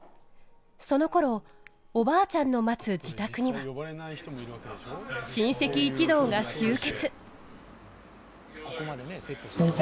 そのころ、おばあちゃんの待つ自宅には、親戚一同が集結。